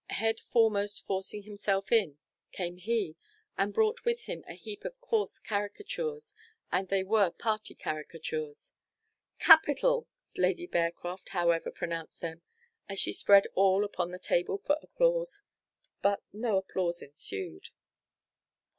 Head foremost forcing himself in, came he, and brought with him a heap of coarse caricatures, and they were party caricatures. "Capital!" Lady Bearcroft, however, pronounced them, as she spread all upon the table for applause but no applause ensued.